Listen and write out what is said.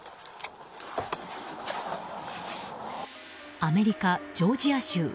アメリカ・ジョージア州。